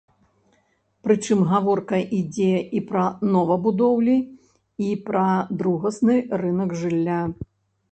Прычым гаворка ідзе і пра новабудоўлі, і пра другасны рынак жылля.